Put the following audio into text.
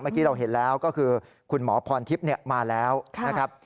เมื่อกี้เราเห็นแล้วก็คือคุณหมอพรทิพย์มาแล้วนะครับ